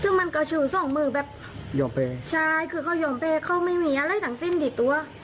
ซึ่งมันกระชูสองมือแบบยอมเป้ใช่คือเขายอมเป้เขาไม่มีอะไรทั้งสิ้นดีดตัว